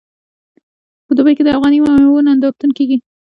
په دوبۍ کې د افغاني میوو نندارتون کیږي.